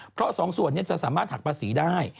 เพราะสองส่วนนี้จะสามารถหักภาษีได้